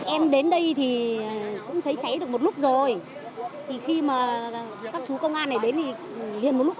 em đến đây thì cũng thấy cháy được một lúc rồi thì khi mà các chú công an này đến thì hiện một lúc